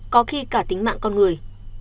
có khi cả tính mạng con người